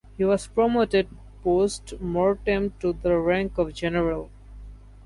He was promoted post mortem to the rank of general.